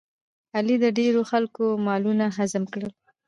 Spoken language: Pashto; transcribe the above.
علي د ډېرو خلکو مالونه هضم کړل.